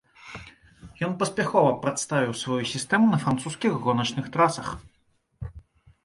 Ён паспяхова прадставіў сваю сістэму на французскіх гоначных трасах.